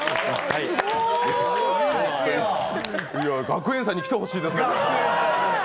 学園祭に来てほしいですね。